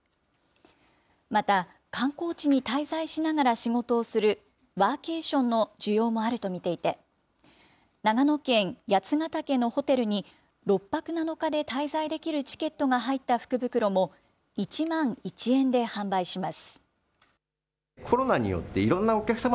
また、観光地に滞在しながら仕事をするワーケーションの需要もあると見ていて、長野県八ヶ岳のホテルに６泊７日で滞在できるチケットが入った福袋も、１万１円で販売します。